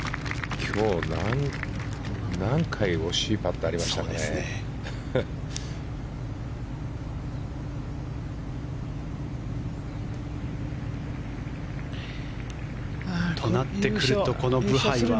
今日、何回惜しいパットがありましたかね？となってくるとこのブハイは。